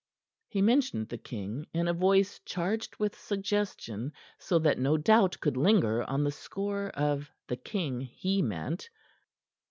He mentioned the king in a voice charged with suggestion, so that no doubt could linger on the score of the king he meant.